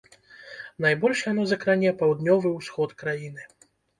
Найбольш яно закране паўднёвы ўсход краіны.